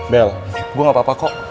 bel gue gak apa apa kok